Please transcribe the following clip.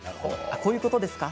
こういうことですか？